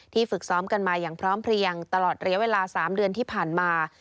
ฝึกซ้อมกันมาอย่างพร้อมเพลียงตลอดระยะเวลา๓เดือนที่ผ่านมา